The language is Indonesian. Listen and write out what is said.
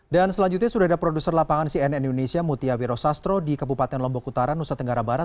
dan selanjutnya sudah ada produser lapangan cnn indonesia mutia wiro sastro di kepupaten lombok utara nusa tenggara barat